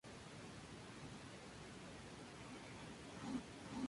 Consiguió que durante la Segunda República se crease una Dirección General de Ganadería.